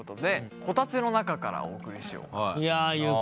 こたつの中からお送りしようかと。